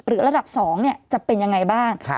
ระดับ๒จะเป็นยังไงบ้าง